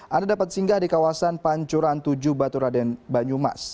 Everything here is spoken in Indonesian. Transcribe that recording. anda dapat singgah di kawasan pancuran tujuh baturaden banyumas